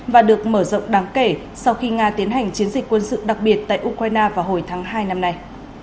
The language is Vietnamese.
và được mở rộng đáng kể sau khi nga tiến hành chiến dịch quân sự đặc biệt tại ukraine vào hồi tháng hai năm nay